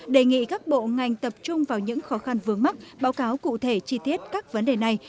đề nghị các bộ ngành tập trung vào những khó khăn vướng mắt báo cáo cụ thể chi tiết các vấn đề này